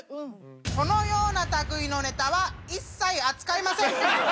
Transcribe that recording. このような類いのネタは一切扱いません。